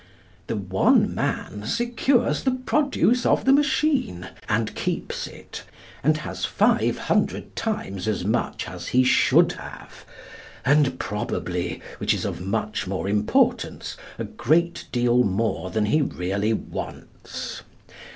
The one man secures the produce of the machine and keeps it, and has five hundred times as much as he should have, and probably, which is of much more importance, a great deal more than he really wants.